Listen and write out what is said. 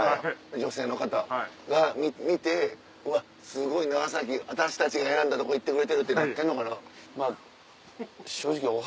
女性の方が見て「うわすごい長崎私たちが選んだとこ行ってくれてる」ってなってんのかな？